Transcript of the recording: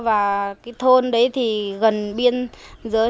và cái thôn đấy thì gần biên giới